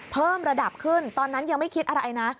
เพิ่มระดับขึ้นตอนนั้นยังไม่คิดอะไรนะ